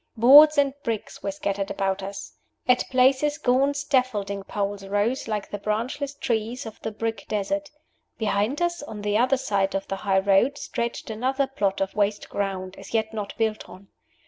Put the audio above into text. Boards and bricks were scattered about us. At places gaunt scaffolding poles rose like the branchless trees of the brick desert. Behind us, on the other side of the high road, stretched another plot of waste ground, as yet not built on.